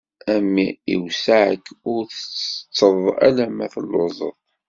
A mmi iweṣṣa-k ur tettetteḍ alemma telluẓeḍ.